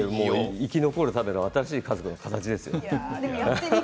生き残るための新しい家族の形ですよ。